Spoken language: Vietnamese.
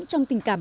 trong tình cảm